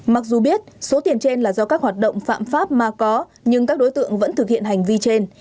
mặc dù biết số tiền trên là do các hoạt động phạm pháp mà có nhưng các đối tượng vẫn thực hiện hành vi trên